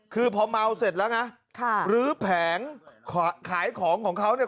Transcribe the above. คือพอเมาเสร็จแล้วนะค่ะลื้อแผงขายของของเขาเนี่ย